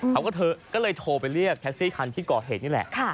เขาก็เลยโทรไปเรียกแท็กซี่คันที่ก่อเหตุนี่แหละ